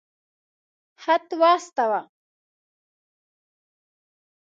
خط واستاوه.